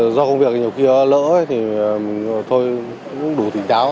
do công việc nhiều khi lỡ thì thôi cũng đủ tỉnh táo